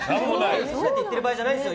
ＮＧなんて言ってる場合じゃないんですよ。